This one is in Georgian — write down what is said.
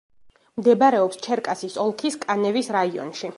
მდებარეობს ჩერკასის ოლქის კანევის რაიონში.